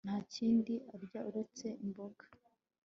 Nta kindi arya uretse imboga